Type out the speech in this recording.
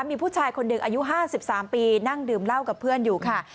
มีผู้ชายคนหนึ่งอายุ๕๓ปีนั่งดื่มเหล้ากับเพื่อนอยู่ค่ะ